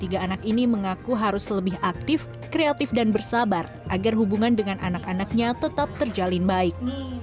tiga anak ini mengaku harus lebih aktif kreatif dan bersabar agar hubungan dengan anak anaknya tetap terjalin baik